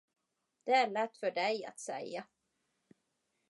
Det är lätt för dig att säga.